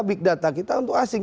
big data kita untuk asing